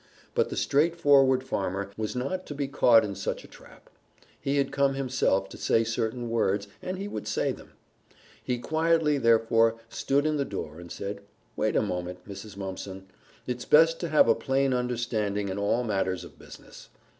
But the straightforward farmer was not to be caught in such a trap. He had come himself to say certain words and he would say them. He quietly, therefore, stood in the door and said, "Wait a moment, Mrs. Mumpson. It's best to have a plain understanding in all matters of business.